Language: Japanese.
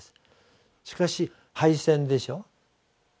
しかし敗戦でしょ。